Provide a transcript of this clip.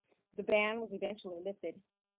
The ban was eventually lifted.